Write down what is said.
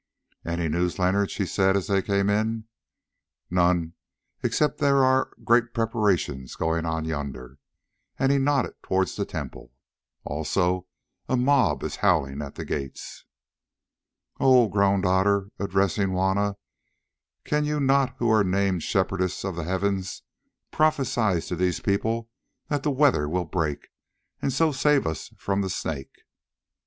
"Any news, Leonard?" she said as they came in. "None, except that there are great preparations going on yonder," and he nodded towards the temple; "also a mob is howling at the gates." "Oh!" groaned Otter, addressing Juanna, "cannot you, who are named Shepherdess of the Heavens, prophesy to these people that the weather will break, and so save us from the Snake?"